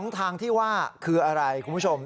ทางที่ว่าคืออะไรคุณผู้ชม